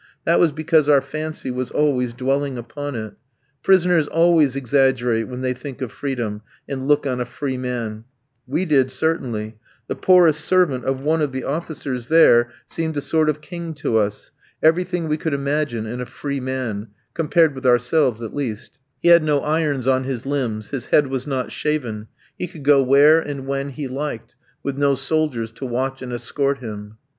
That was because our fancy was always dwelling upon it. Prisoners always exaggerate when they think of freedom and look on a free man; we did certainly; the poorest servant of one of the officers there seemed a sort of king to us, everything we could imagine in a free man, compared with ourselves at least; he had no irons on his limbs, his head was not shaven, he could go where and when he liked, with no soldiers to watch and escort him.